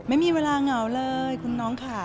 ไม่มีเวลาเหงาเลยคุณน้องค่ะ